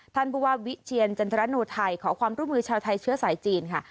ท่านผู้ว่าวิเชียรจันทรโนไทยขอความร่วมมือชาวไทยเชื้อสายจีนค่ะ